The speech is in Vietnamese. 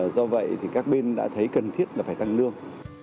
do vậy thì các bên đã thấy cần thiết là phải tăng lương